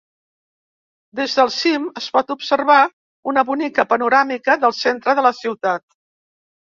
Des del cim es pot observar una bonica panoràmica del centre de la ciutat.